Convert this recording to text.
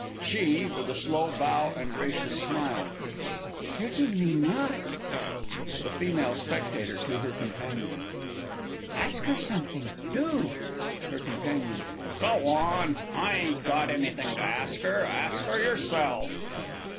SHE(with a slow bow and gracious smile). Certingly not. THE F. S. (to her COMPANION). Ask her something do. HER COMP. Go on! I ain't got anything to ask her ask her yourself!